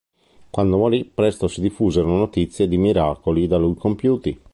Quando morì, presto si diffusero notizie di miracoli da lui compiuti.